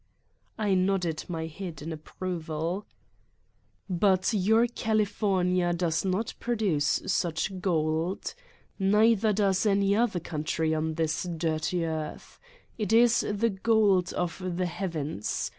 I nodd. iny head in approval. 33 Satan's Diary "But your California does not produce such gold. Neither does any other country on this dirty earth. It is the gold of the heavens.